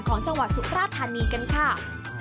ของจังหวะสุกราชธานีกันค่ะ